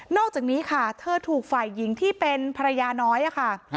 อกจากนี้ค่ะเธอถูกฝ่ายหญิงที่เป็นภรรยาน้อยค่ะ